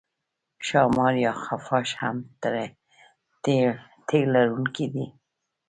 ښامار یا خفاش هم تی لرونکی دی